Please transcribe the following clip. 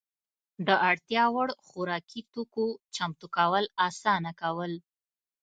د اړتیا وړ خوراکي توکو چمتو کول اسانه کول.